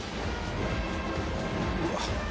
うわっ！